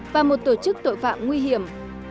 và một tổ chức tội phạm nguy hiểm